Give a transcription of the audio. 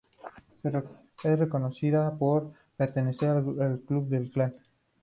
Es reconocida por pertenecer al grupo El club del clan.